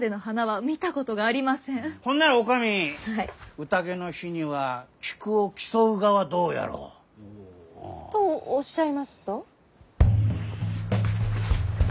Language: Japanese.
ほんなら女将宴の日には菊を競うがはどうやろう？とおっしゃいますと？